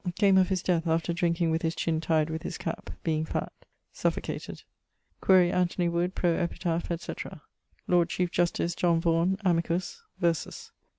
Came of his death after drinking with his chin tyed with his cap (being fatt); suffocated. Quaere Anthony Wood pro epitaph, etc. Lord Chief Justice Vaughan, amicus verses.